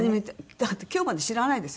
だって今日まで知らないです